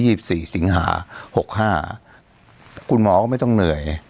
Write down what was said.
สิบสี่สิงหาหกห้าคุณหมอก็ไม่ต้องเหนื่อย